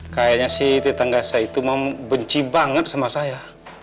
kayaknya si tetangga saya itu mau benci banget sama saya